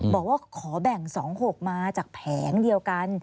บอกว่าขอแบ่ง๒๖มาจากแผงเดียวกัน